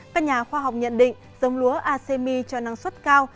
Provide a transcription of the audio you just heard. các nhà khoa học nhận định giống lúa asemi cho năng suất cao